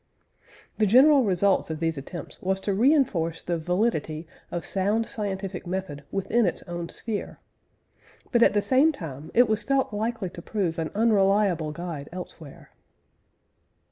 The general results of these attempts was to re enforce the validity of sound scientific method within its own sphere. But, at the same time, it was felt likely to prove an unreliable guide elsewhere.